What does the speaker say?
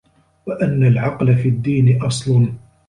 وَأَنَّ الْعَقْلَ فِي الدِّينِ أَصْلٌ